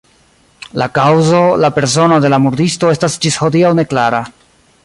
La kaŭzo, la persono de la murdisto estas ĝis hodiaŭ neklara.